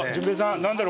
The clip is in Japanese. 何だろう？